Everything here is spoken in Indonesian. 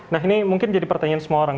nah ini mungkin jadi pertanyaan semua orang